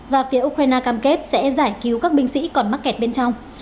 và phía ukraine cam kết sẽ giải cứu các binh sĩ còn mắc kẹt bên trong